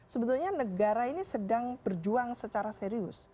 sebetulnya negara ini sedang berjuang secara serius